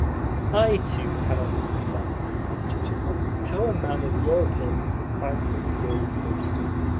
"I, too, cannot understand," remarked Chichikov, "how a man of your appearance can find things wearisome.